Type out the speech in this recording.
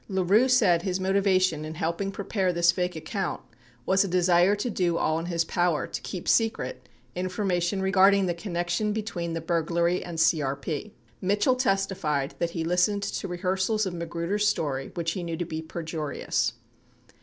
4 LaRue said his motivation in helping prepare this fake account was a desire to do all in his power to keep secret information regarding the connection between the burglary and CRP. 5 Mitchell testified that he listened to rehearsals of Magruder's story, which he knew to be perjurious.